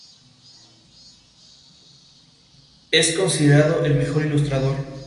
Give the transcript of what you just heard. Es considerado el mejor ilustrador.